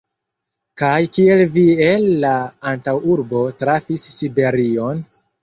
Kaj kiel vi el la antaŭurbo trafis Siberion?